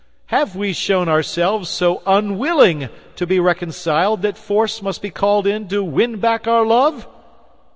Have we shown ourselves so unwilling to be reconciled that force must be called in to win back our love?